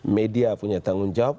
media punya tanggung jawab